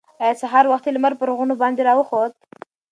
ایا سهار وختي لمر پر غرونو باندې راوخوت؟